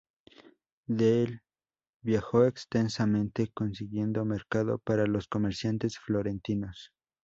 Dei viajó extensamente, consiguiendo mercado para los comerciantes florentinos.